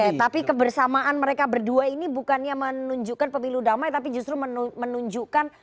oke tapi kebersamaan mereka berdua ini bukannya menunjukkan pemilu damai tapi justru menunjukkan